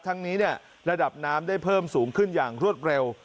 ทั้งนี้ระดับน้ำได้เพิ่มสูงขึ้นอย่างรวดเร็ว